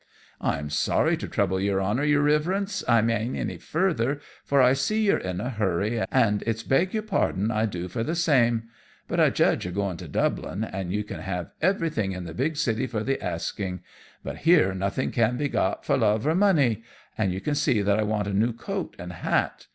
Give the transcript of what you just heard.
"I'm sorry to trouble your Honour, your Riverence I mane, any further, for I see you're in a hurry, and it's beg your pardon I do for the same; but I judge you're going to Dublin, and you can have everything in the big city for the asking; but here nothing can be got for love or money, and you see that I want a new coat and hat.